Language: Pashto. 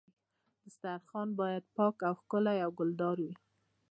دسترخوان باید پاک او ښکلی او ګلدار وي.